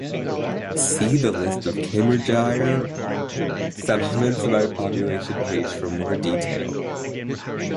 See the List of Cambridgeshire settlements by population page for more detail.